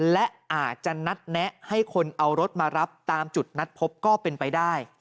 และอาจจะนัดแนะให้คนเอารถมารับตามจุดนัดพบก็เป็นไปได้